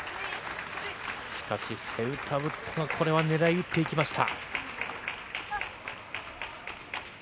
しかし、セウタブットの、これは狙い打っていきました。